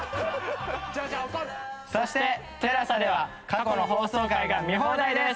そしてＴＥＬＡＳＡでは過去の放送回が見放題です。